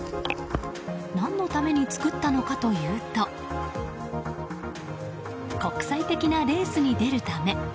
何のために作ったのかというと国際的なレースに出るため。